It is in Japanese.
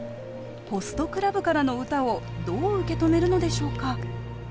「ホストクラブ」からの歌をどう受け止めるのでしょうか。